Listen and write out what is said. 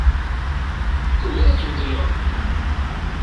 Tugiḍ ad tbeddleḍ.